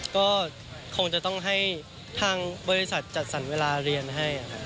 ก็คงจะต้องให้ทางบริษัทจัดสรรเวลาเรียนให้